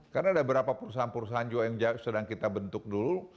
karena ada beberapa perusahaan perusahaan juga yang sedang kita bentuk dulu